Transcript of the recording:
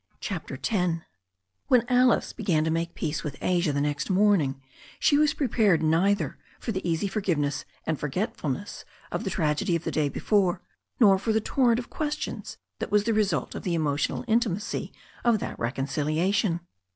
CHAPTER X WHEN Alice began to make peace with Asia the next morning she was prepared neither for the easy forgiveness and forgetfulness of the trag edy of the day before nor for the torrent of questions that was the result of the emotional intimacy of that reconciliation.